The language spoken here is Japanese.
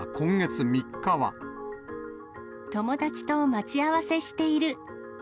友達と待ち合わせしている。